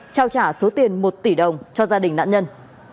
trao trả số tiền một tỷ đồng cho gia đình nạn nhân